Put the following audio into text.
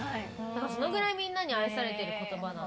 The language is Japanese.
そのぐらいみんなに愛されてる言葉なの。